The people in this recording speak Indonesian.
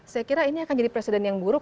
saya kira ini akan jadi presiden yang buruk